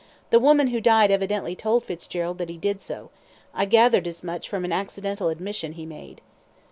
The woman who died evidently told Fitzgerald that he did so; I gathered as much from an accidental admission he made."